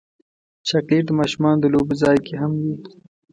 چاکلېټ د ماشومانو د لوبو ځای کې هم وي.